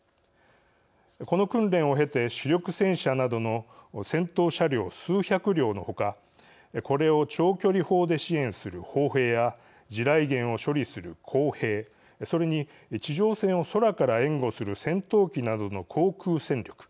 この訓練を経て、主力戦車などの戦闘車両、数百両の他これを長距離砲で支援する砲兵や地雷原を処理する工兵それに地上戦を空から援護する戦闘機などの航空戦力。